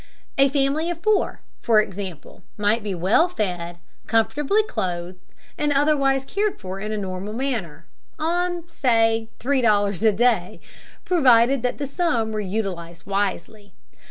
A family of four, for example, might be well fed, comfortably clothed, and otherwise cared for in a normal manner, on, say, three dollars a day, provided that sum were utilized wisely.